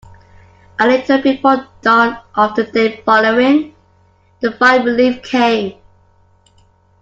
A little before dawn of the day following, the fire relief came.